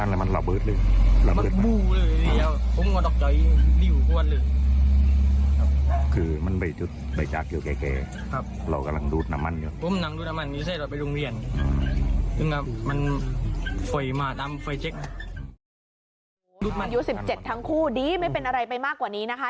อยู่สิบเจ็ดทั้งคู่ดีไม่เป็นอะไรไปมากกว่านี้นะคะ